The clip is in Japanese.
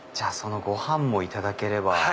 そのご飯もいただければ。